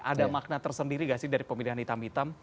ada makna tersendiri gak sih dari pemilihan hitam hitam